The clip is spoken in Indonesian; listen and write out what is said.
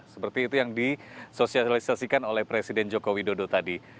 seperti itu yang disosialisasikan oleh presiden jokowi dodo tadi